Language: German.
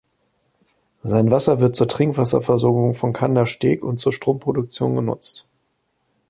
Sein Wasser wird zur Trinkwasserversorgung von Kandersteg und zur Stromproduktion genutzt.